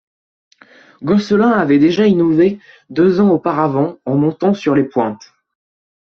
Gosselin avait déjà innové deux ans auparavant en montant sur les pointes.